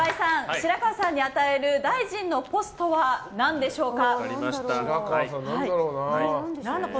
白川さんに与える大臣のポストはなんでしょうか。